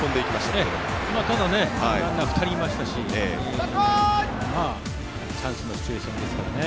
ただランナー２人いましたしチャンスのシチュエーションですからね。